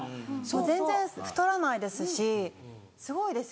全然太らないですしすごいですよね。